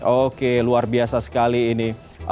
oke luar biasa sekali ini